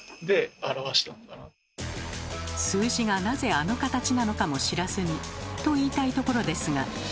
数字がなぜあの形なのかも知らずにと言いたいところですが。